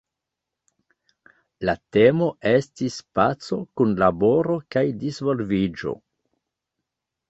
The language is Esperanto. La temo estis "Paco, Kunlaboro kaj Disvolviĝo".